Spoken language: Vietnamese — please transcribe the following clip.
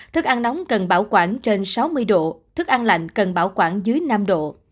thức ăn nóng cần bảo quản trên sáu mươi độ thức ăn lạnh cần bảo quản dưới năm độ